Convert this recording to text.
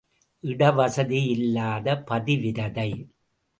இட வசதி இல்லாத பதிவிரதை.